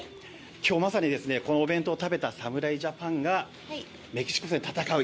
今日まさにこのお弁当を食べた侍ジャパンがメキシコ戦を戦う。